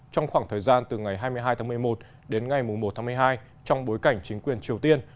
trong khoảng thời gian từ ngày hai mươi hai tháng một mươi một đến ngày một tháng một mươi hai trong bối cảnh chính quyền triều tiên